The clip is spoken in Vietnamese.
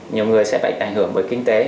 nhiều người sẽ bị ảnh hưởng bởi kinh tế